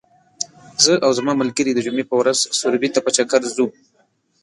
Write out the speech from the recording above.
زه او زما ملګري د جمعې په ورځ سروبي ته په چکر ځو .